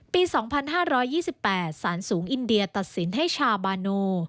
ปี๒๕๒๘สารสูงอินเดียตัดสินให้ชาบาโน